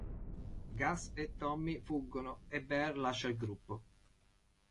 Gus e Tommy fuggono e Bear lascia il gruppo.